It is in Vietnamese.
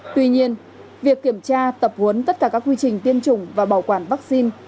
tuy nhiên việc kiểm tra tập huấn tất cả các quy trình tiêm chủng và bảo quản vaccine